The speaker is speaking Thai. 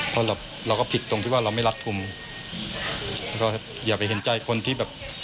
เพราะเราเราก็ผิดตรงที่ว่าเราไม่รัดกลุ่มแล้วก็อย่าไปเห็นใจคนที่แบบ